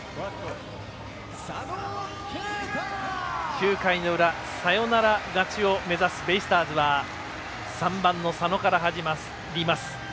９回の裏サヨナラ勝ちを目指すベイスターズは３番の佐野から始まります。